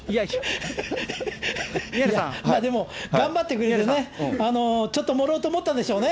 でも、頑張ってくれてね、ちょっと盛ろうと思ったんでしょうね。